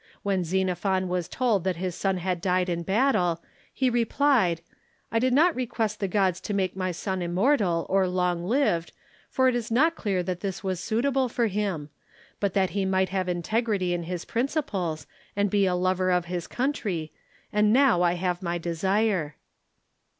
When Xenophon was told that his son had died in battle, he replied :" I did not request the gods to make iny son immortal or long lived, for it is not clear that this was suitable for him; but that he might have integrity in his principles, and be a lover of his country, and now I have my desire."